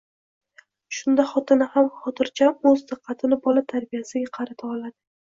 shunda xotini ham xotirjam o‘z diqqatini bola tarbiyasiga qarata oladi.